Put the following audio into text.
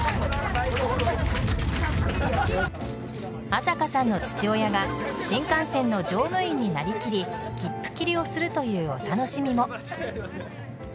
麻香さんの父親が新幹線の乗務員になりきり切符切りをするというお楽しみも。